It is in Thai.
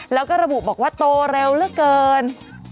แล้วก็ระบุบอกว่าโตเร็วเหลือเกิน